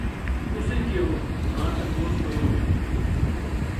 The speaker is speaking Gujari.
اُسیں کہیو " ہاں تپوس کروں ہے"